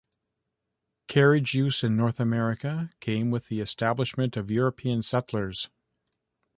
Carriage use in North America came with the establishment of European settlers.